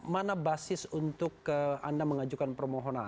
mana basis untuk anda mengajukan permohonan